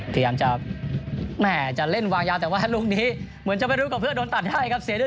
ทีมพี่ก็จะเล่นวางยาวแต่ว่าลุงนี้เหมือนจะไม่รู้กับเพื่อโดนตัดได้ครับเสร็จด้วยด้วย